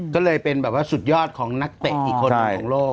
ก็เลยเป็นแบบว่าสุดยอดของนักเตะอีกคนหนึ่งของโลก